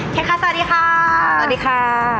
แค็ดคลาสสวัสดีค่ะ